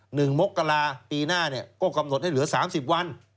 หนึ่งมกลาปีหน้าก็กำหนดให้เหลือ๓๐วัน